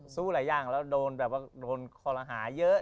สู้หลายอย่างแล้วโดนเครื่องอาหารเยอะ